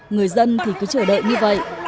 người dân thì cứ chờ đợi như vậy